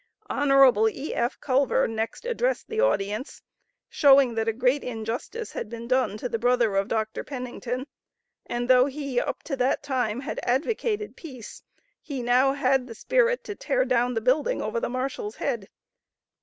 Hon. E.F. Culver next addressed the audience, showing, that a great injustice had been done to the brother of Dr. Pennington, and though he, up to that time, had advocated peace, he now had the spirit to tear down the building over the Marshal's head.